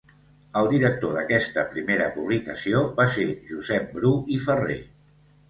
El director d'aquesta primera publicació va ser Josep Bru i Ferrer.